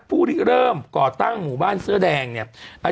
เริ่มก่อตั้งหมู่บ้านเสื้อแดงเนี่ย